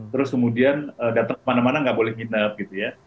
terus kemudian datang kemana mana nggak boleh nginep gitu ya